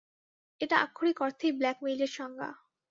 এটা আক্ষরিক অর্থেই ব্ল্যাকমেইলের সংজ্ঞা।